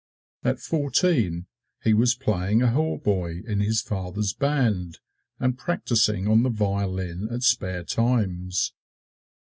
At fourteen, he was playing a hautboy in his father's band and practising on the violin at spare times.